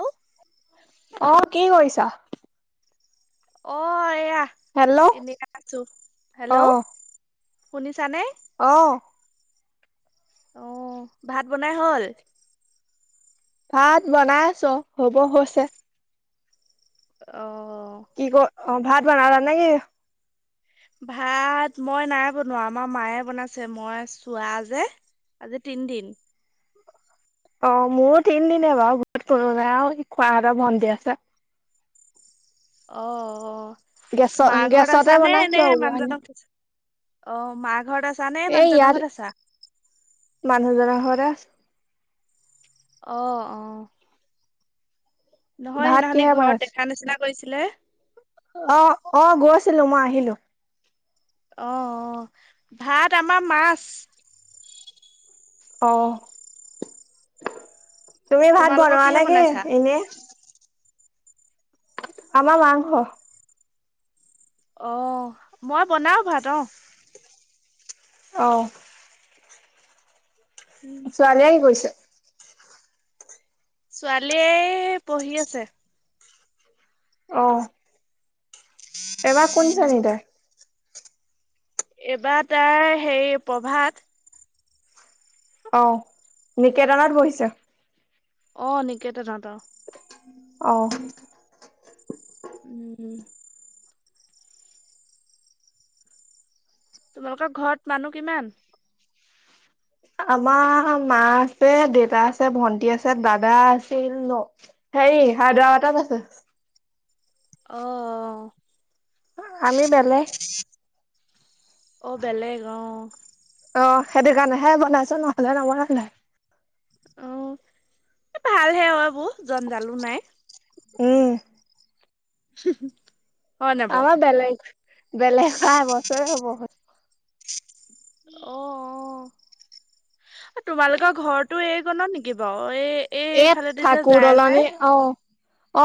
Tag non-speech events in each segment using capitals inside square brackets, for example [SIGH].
অ অ, কি কৰিছা? অ, এয়া হেল্ল' অ এনে আছো। হেল্ল' শুনিছানে? অহ। অ ভাত বনাই হল। ভাত বনাই আছো হ'ব হৈছে। অ। কি ক অ ভাত বনালা নেকি? ভাত মই নাই বনোৱা আমাৰ মায়ে বনাইছে মই চোৱা যে। আ তিন দিন।। অ মোৰো তিনিদিনে বাৰু ঘৰত কোনো নাই আৰু খোৱাহতৰ ভণ্টী আছে। অ গেছত মা ঘৰত গেছতে আছ নে নে বনাইছো মানুহজনক আছা। অ মাৰ ঘৰত আছা নে এই মানুহজনৰ ইয়াত ঘৰত আছা। মানুহজনৰ ঘৰতে আছো আহ অহ। নহয় ভাত সেইদিনাখনি কিহে ঘৰত বনাইছে দেখা নিচিনা কৰিছিলে। অ অ গৈছিলো মই আহিলো। অহ অহ ভাত আমাৰ মাছ। অহ। তুমি ভাত তোমালোকৰ বনোৱা কিহে নে কি বনাইছা এনেই। আমাৰ মাংস। অ মই বনাও ভাত অ। অহ। উম ছোৱালীয়ে কি কৈছে? ছোৱালীয়ে পঢ়ি আছে। অহ। এইবাৰ কোন উম শ্ৰেণীতে। এইবাৰ তাৰ হে প্ৰভাত। অহ নিকেতনত বহিছে। অ নিকেতনত অহ উম তোমালোকৰ ঘৰত মানুহ কিমান? আমাৰ মা আছে দেউতা আছে ভন্টি আছে দাদা আছিল ন। এই হায়দৰাবাদত আছে। অ অ। আমি বেলেগ। অ বেলেগ অ। অ সেইটো কাৰণেহে বনাইছো নহলে নবনালে। অ ভালহে অবৌ জনদালো নাই। উম। [UNINTELLIGIBLE] আমাৰ বেলেগ বেলেগ খোৱা এবছৰে হ'ব হ'ল। অ অ তোমালোকৰ ঘৰটো এইক ন নেকি বাৰু? এই এ এইফালেদি যে ঠাকুৰ যায় যে দলনি অ।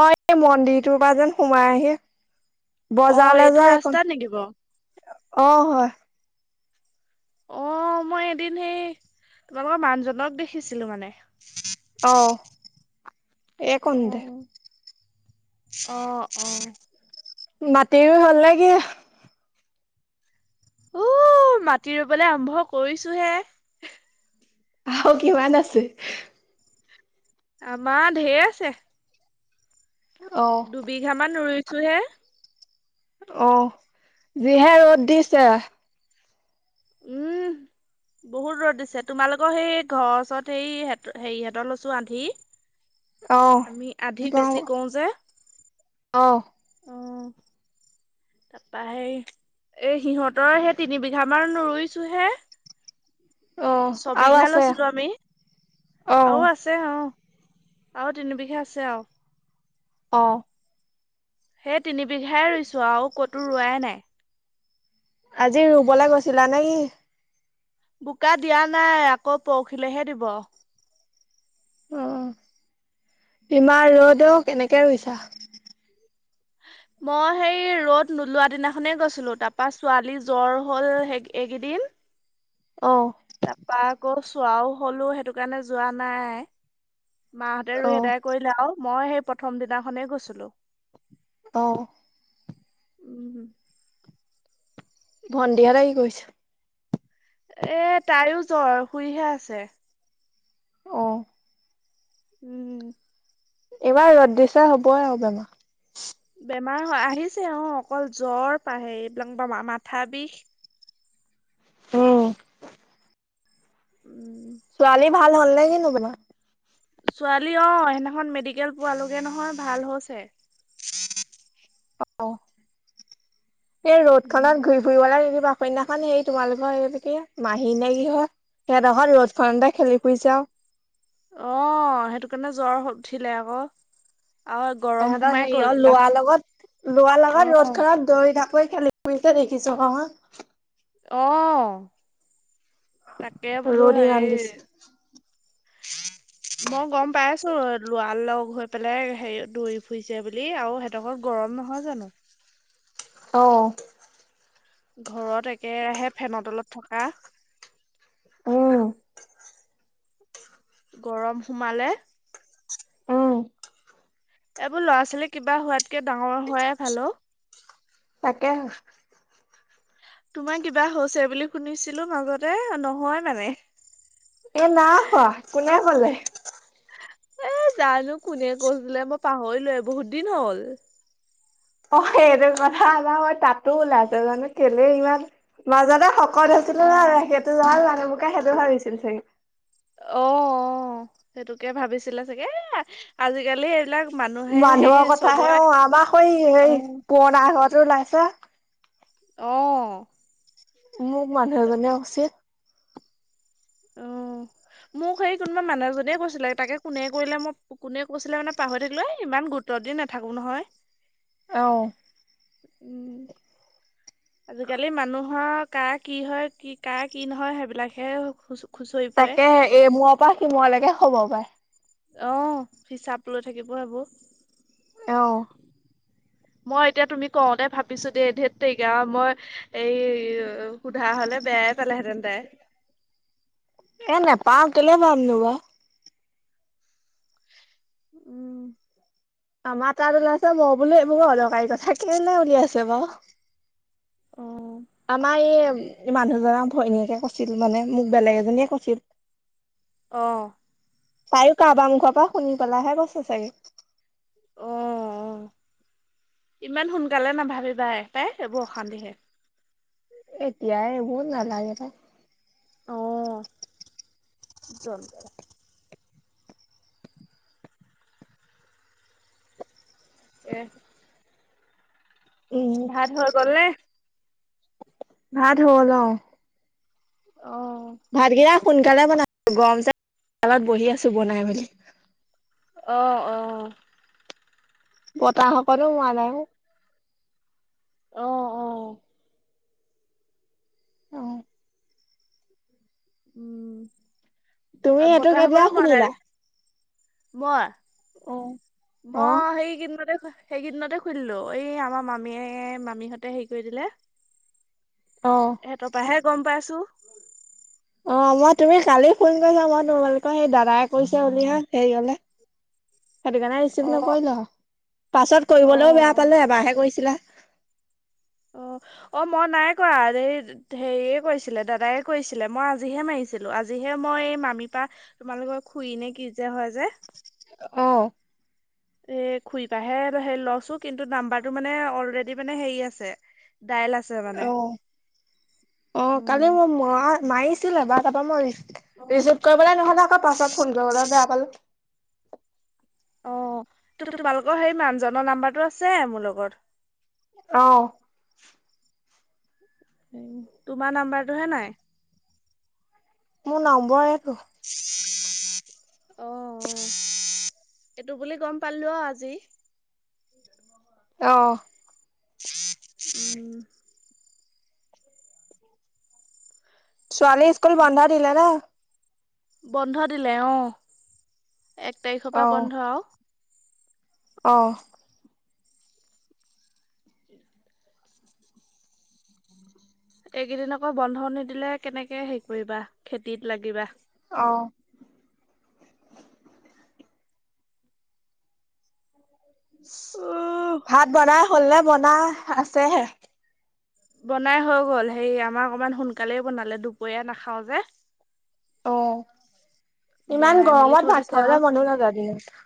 অ এই মন্দিৰটোৰ পৰা যেন সোমাই আহে। অ বজাৰলৈ এইটো যায় একন ৰাস্তাত নেকি বাৰু অ হয়। অ মই এদিন সেই তোমালোকৰ মানুহজনক দেখিছিলো মানে। অহ এই অ কনতে। অ অ। মাটিৰো হ'ল নেকি? উ মাটি ৰুবলৈ আৰম্ভ কৰিছো হে। আহ কিমান আছে? আমাৰ ধেৰ আছে। অ' দুবিঘামান ৰুইছো হে। অহ যিহে ৰ'দ দিছে। উম। বহুত ৰ'দ দিছে তোমালোকৰ সেই ঘৰ ওচৰত সেই হেৰি হঁতৰ লৈছো আন্ধি। অ' আমি আধি বাও বেছি কও যে। অ অ তাপা সেই এই সিহঁতৰ সেই তিনি বিঘামান ৰুইছো হে। অ আৰু ছবিঘা আছে লৈছিলো আমি অ আৰু আছে অ। আৰু তিন বিঘা আছে আও। অ সেই তিনি বিঘাই ৰুইছো আৰু কতো ৰোৱাই নাই। আজি ৰুবলৈ গৈছিলা নে কি? বোকা দিয়া নাই আকৌ পৰখিলেহে দিব। অ ইমান ৰ'দও কেনেকে ৰুইছা? [UNINTELLIGIBLE] মই সেই ৰ'দ নোলোৱা দিনাখনে গৈছিলো তাপা ছোৱালী জ্বৰ হ'ল সেই এইকেইদিন অ তাপা আকৌ চোৱাও হলো সেইটো কাৰণে যোৱা নাই। মাহঁতে অ ৰুই এদাই কৰিলে আও মই সেই প্ৰথম দিনাখনেই গৈছিলো। অ উম ভন্টিহতে কি কৰিছে? এ তাইও জ্বৰ শুইহে আছে। অ উম এইবাৰ ৰ'দ দিছা হ'বই আও বেমাৰ। বেমাৰ হয় আহিছে অঁ অকল জ্বৰ পাহে এইবিলাক বা মাথা বিষ। উম উম ছোৱালী ভাল হ'ল নে কি আপোনাৰ? ছোৱালী অঁ সেইদিনাখন মেডিকেল পোৱালোগে নহয় ভাল হৈছে। অঁ এই উম, ৰ'দখনত ঘূৰি ফুৰিব লে। বা কইন্যাখন হেৰি তোমালোকৰ এই কি মাহী নে কি হয়? সেই ৰ'দ খনতে খেলি ফুৰিছে আওঁ। অ সেইটো কাৰণে জ্বৰ উঠিলে আক। তহঁতৰ হেৰি অ লোৱা লগত লোৱা লগত ৰ'দ অ খনত দৌৰি থাক। [UNINTELLIGIBLE] দেখিছো অ। অ তাকে বোলো ৰ'দ হেৰি। ইমান দিছে। [INAUDIBLE] মই গম পাই আছো লোৱাৰ লগ হৈ পেলাই হেৰি দৌৰি ফুৰিছে বুলি আৰু সেতঘৰত গৰম গৰম নহয় জানো। অহ ঘৰত একেৰাহে ফেনত তলত থকা। অহ গৰম সোমালে উম এইবোৰ ল'ৰা ছোৱালী কিবা হোৱাতকে ডাঙৰ হোৱাই ভাল অ। তাকে তোমাৰ কিবা হৈছে বুলি শুনিছিলো মাজতে নহয় মানে। এ নাই হোৱা। কোনে কলে? এ জানো কোনে কৈছিলে মই পাহৰিলোৱেই বহুত দিন হ'ল। অঁ সেইটো কথা আমাৰ মই তাতো ওলাইছে জানো কেলে ইমান মাজতে শকত হৈছিলে ন সেইটো য মানে মোকে সেইটো ভাবিছিল চাগে। অঁ সেইটোকে ভাবিছিলা চাগে আজিকালি এইবিলাক মানুহে সেই মানুহৰ কথা হে চবৰে অঁ আমাক স হ অ', পুৰণা ঘৰতো ওলাইছে। অঁ। মোক মানুহ এজনে [INAUDIBLE] অঁ। মোক সেই কোনোবা মানুহ এজনীয়ে কৈছিলে তাকে কোনে কৰিলে মই কোনে কৈছিলে মানে পাহৰি থাকিলো, এ ইমান সোতৰ দিন নাথাকো নহয়। আহ। উম আজিকালি মানুহক কাৰ কি হয় কি কাৰা কি নহয় সেইবিলাক হে তাকে এ মূৰৰ পৰা সিমূৰলৈকে হব পাৰে। অঁ হিচাপ লৈ থাকিব সেইবোৰ। আহঁ। মই এতিয়া তুমি কওঁতে ভাবিছো দেই, ধেৰ তেৰিকা মই এই সোধা হলে। বেয়াই পালে হেঁতেন তাই। এ নাপাওঁ কেলে পাম নো বাও। উম। আমাৰ তাত ওলাইছে মই বোলে এইবোৰ অদকাৰি কথা কেলে উলিয়াইছে বাও। অ' মানুহজনক ভৈনীয়েকে কৈছিল মানে মোক বেলেগ এজনীয়ে কৈছিল। অঁ। তাইও কাৰোবাৰ মুখৰ পৰা শুনি পেলাহে কৈছে চাগে। অঁ অঁ। ইমান সোনকালে নাভাবিবা তাই এইবোৰ অশান্তিহে। এতিয়া ইবোৰ নালাগে। অ, জল [UNINTELLIGIBLE] উম ভাত হৈ গল নে? ভাত হ'ল, অ অ', ভাতকেইটা সোনকালে বনালো, গৰম যে, চোতালত বহি আছো, বনাই মেলি। আহ আহ। বতাহ অকনো মৰা নাই অ। অ', অ'। অহ। উম তুমি আৰু এইটো বতাহ কেতিয়া অকনো মৰা নাই। খুলিলা? মই অ অ সেইকেইদিনতে খো সেইকেইদিনতে খুলিলো এই আমাৰ মামীয়ে মামীহঁতে হেৰি কৰি দিলে। অ সিহঁতৰ পৰাহে গম পাইছোঁ। অ মই তুমি কালি ফোন কৰিছা মই তোমালোকৰ সেই দাদাই কৈছে বুলি হে হেৰি গলে [UNINTELLIGIBLE] সেইটো কাৰণে ৰিচিভ অ', নকৰিলো আ পাছত কৰিবলেও বেয়া অ'। পালে এবাৰহে কৰিছিলা। অ। অ মই নাই কৰা এই হেৰিয়ে কৈছিলে দাদাই কৈছিলে মই আজিহে মাৰিছিলো আজি হে মই এই মামীপা তোমালোকৰ খুৰি নে কি যে হয় যে। অহ। এ খুৰিপা হে লৈছো কিন্তু নাম্বাৰটো মানে অলৰেডি মানে হেৰি আছে ডাইল আছে মানে। অ অ কালি উম। মই ম মাৰি দিলো এবাৰ তাপা মই ৰিচিভ কৰিবলে নহ'লে আকৌ পাছত ফোন কৰিবলেও বেয়া পালোঁ। অ ত তোমালোকৰ হেৰি মানুহজনৰ নাম্বাৰটো আছে মোৰ লগত। অহ। সেই তোমাৰ নাম্বাৰটোহে নাই। মোৰ নম্বৰ এইটো। অহ-অহ এইটো বুলি গম পালো আজি। অ'হ উম [UNINTELLIGIBLE] ছোৱালী স্কুল তাকে বন্ধ দিলে নে? বন্ধ দিলে। অহ, এক তাৰিখৰ পৰা বন্ধ। অহ উম [INAUDIBLE] এইকেইদিন আকৌ বন্ধ নিদিলে, কেনেকে হেৰি কৰিবা, খেতিত লাগিবা। অ ভাত বনাই হ'ল নে, বনাই আছে হে? বনাই হৈ গ'ল, সেই আমাৰ অকমান সোনকালে বনালে, দুপৰীয়া নাখাওঁ যে। অ, ইমান বনাই মেলি গৰমত থৈ ভাত দিছে আৰু খাবলৈ মনো নাযায় দিনত।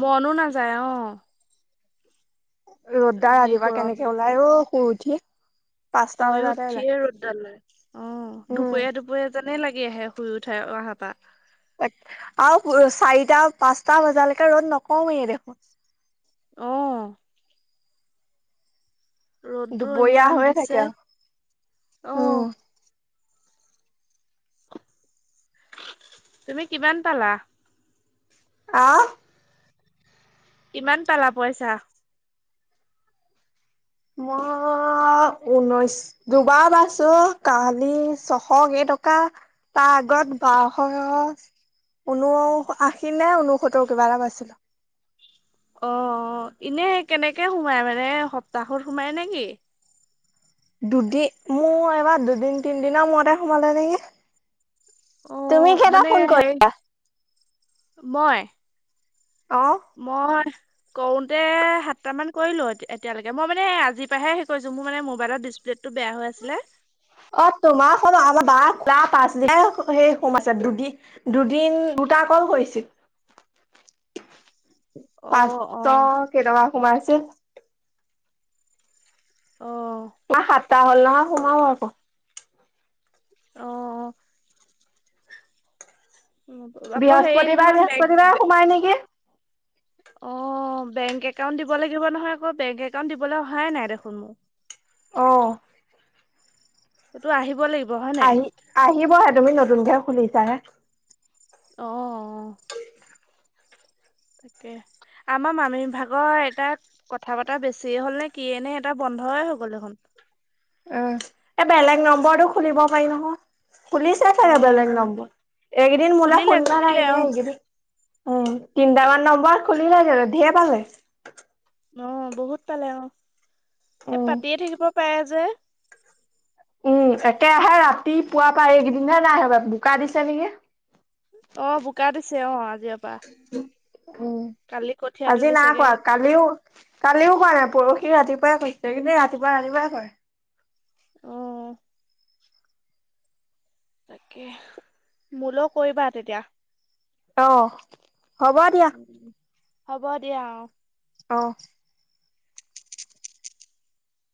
মনো নাযায়, অ। ৰ'দ ডাল যি ৰাতিপুৱা গৰম কেনেকে দিছে ওলাই? অ, শুই উঠি। পাঁচটা শুই বজাতে ওলাই উঠিয়ে ৰ'দডালৈ। অ, উম দুপৰীয়া-দুপৰীয়া যেন লাগি আহে শুই উঠাৰ অহাৰ পৰা। আৰু চাৰিটা, পাঁচটা বজালৈকে ৰ'দ নকওঁমেই দেখোন। অ ৰ'দটো দুপৰীয়া ইমান হৈ দিছে থাকে আৰু, অ', উম! তুমি কিমান পালা? আহ কিমান পালা পইছা? মই অ, ঊনৈশ দুবাৰ পাইছো কালি ছশ কেইটকা তাৰ আগত বাৰশ কেই টকা ঊনো আশী নে ঊনসত্তৰ কিবা এটা পাইছিলো। অ, ইনে কেনেকে সোমাই মানে সপ্তাহত সোমায় নেকি? দুদিন মোৰ এইবাৰ দুদিন -তিনদিনৰ মূৰতে সোমালে নেকি? তুমি অ', কেইটা মানে ফোন হেৰি কৰিলা? মই মই কৰোতে সাতটা মান কৰিলো এতিয়ালৈকে, মই মানে আজি পৰাহে সেই কৰিছো, মোৰ মানে মোবাইলত ডিছপ্লেট অ, তোমাৰ খন, আমাৰ বা তাৰ পাছদিনা সেই সোমাইছে, দুদিন-দুদিন দুটা কল কৰিছোঁ। [INAUDIBLE] পাঁচশ অ', অ', কেইটকা সোমাইছিল। অ', মই সাতটা মানুহৰ সোমাল আকৌ। অ-অ অ', আকৌ হেৰি বৃহস্পতিবাৰ, নহয় বেগ বৃহস্পতিবাৰে সোমাই নেকি? অ, বেংক একাউন্ট দিব লাগিব নহয় আকৌ, বেংক একাউণ্ট দিবলৈ অহাই নাই দেখোন মোৰ। অ'হ সেইটো আহিব লাগিব। হয় নাই? আহি, আহিবহে তুমি নতুনকে খুুলিছা হে। অ'হ--অহ তাকে, আমাৰ মামি ভাগৰ এটা কথা-বতা বেছিয়ে হ'ল নে, কিয়ে নে এটা বন্ধ আন্ধাৰে হৈ গ'ল দেখোন। উম, এ বেলেগ নম্বৰটো খুলিব পাৰি নহয়। খুলিছে অ' চাগে বেলেগ নম্বৰ, এইকেইদিন মোৰলে খুলিলে ফোন কৰা নাই, খুলিলে অ' এইকেইদিন উম, তিনটামান নম্বৰ খুলিলে চাগে, ধেৰ পালে। অ বহুত পালে অ, এ পাতিয়ে থাকিব পাৰে যে। উম একেৰাহে ৰাতি পুৱা পৰাই এইকেইদিন নাই অহা বোকা দিছে নেকি? অ বোকা দিছে অ আজিৰ পৰা। উম, কালি কঠীয়া আজি না তুলিছেগে। কৰা কালিও- কালিও কৰা নাই পৰহি ৰাতি ৰাুৱাই কৰিছে কিন্তু [UNINTELLIGIBLE] ৰাতিপুৱা ৰাতিপুৱাই কৰে অহ। তাকে মোলৈ কৰিবা তেতিয়া। আহ হ'ব দিয়া। হ'ব দিয়া অ। অ'।